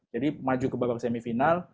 jadi maju ke babak semifinal